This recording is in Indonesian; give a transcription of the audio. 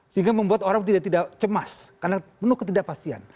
sehingga membuat orang tidak cemas karena penuh ketidakpastian